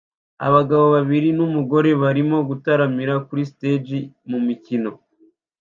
Abagabo babiri numugore barimo gutaramira kuri stage mumikino